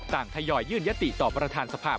ทยอยยื่นยติต่อประธานสภา